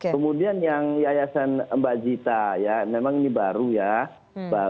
kemudian yang yayasan mbak zita ya memang ini baru ya